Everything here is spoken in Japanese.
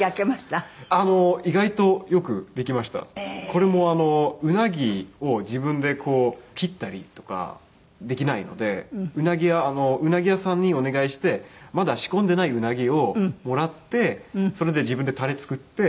これもウナギを自分で切ったりとかできないのでウナギ屋さんにお願いしてまだ仕込んでいないウナギをもらってそれで自分でタレ作って。